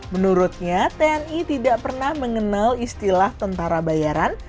menurutnya tni tidak pernah mengenal istilah tentara bayaran